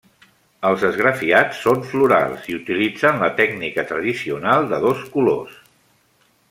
Els esgrafiats són florals i utilitzen la tècnica tradicional de dos colors.